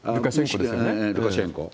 ルカシェンコ。